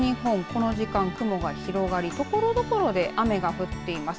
この時間、雲が広がりところどころで雨が降っています。